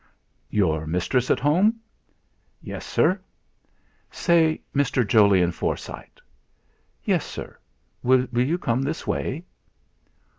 "Your mistress at home?" "Yes, sir." "Say Mr. Jolyon Forsyte." "Yes, sir, will you come this way?"